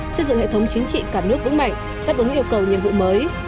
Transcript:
xây dựng hệ thống chính trị cả nước vững mạnh đáp ứng yêu cầu nhiệm vụ mới